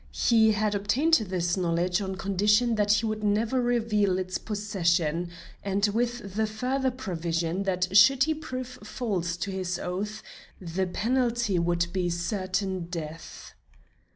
He had obtained this knowledge on condition that he would never reveal its possession, and with the further provision that should he prove false to his oath the penalty would be certain death.